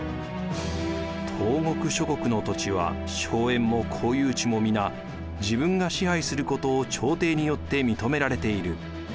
「東国諸国の土地は荘園も公有地も皆自分が支配することを朝廷によって認められている」。